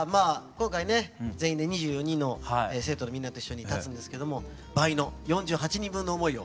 今回ね全員で２４人の生徒のみんなと一緒に立つんですけども倍の４８人分の思いを一緒にね。